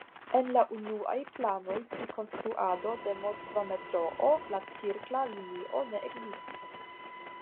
En la unuaj planoj pri konstruado de Moskva metroo la cirkla linio ne ekzistis.